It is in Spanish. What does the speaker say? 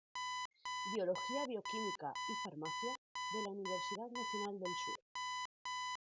Biología Bioquímica y Farmacia, de la Universidad Nacional del Sur.